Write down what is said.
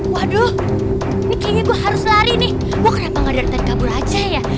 waduh nih kayaknya gua harus lari nih gua kenapa ga deretan kabur aja ya